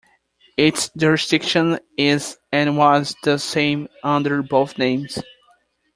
Its jurisdiction is and was the same under both names.